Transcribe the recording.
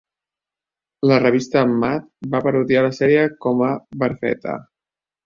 La revista "Mad" va parodiar la sèrie com a "Barfetta".